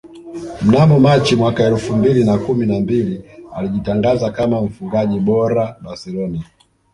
Mnamo Machi mwaka elfu mbili na kumi na mbili alijitangaza kama mfungaji bora Barcelona